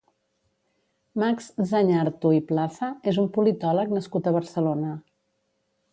Max Zañartu i Plaza és un politòleg nascut a Barcelona.